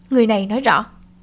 người này nói rõ